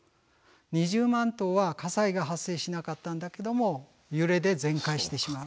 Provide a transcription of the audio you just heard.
２０万棟は火災が発生しなかったんだけども揺れで全壊してしまう。